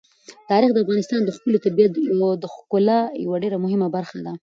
تاریخ د افغانستان د ښکلي طبیعت د ښکلا یوه ډېره مهمه برخه ده.